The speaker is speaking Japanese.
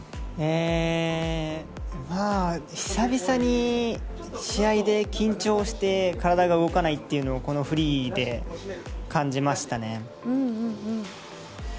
久々に試合で緊張して体が動かないっていうのをこのフリーで感じましたね。